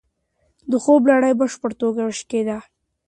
د خوب لړۍ په بشپړه توګه وشکېده.